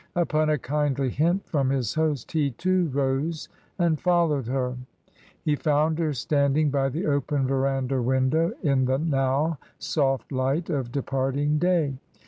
Upon a kindly hint from his host he, too, rose and followed her. He found her standing by the open verandah window, in the now soft light of departing day.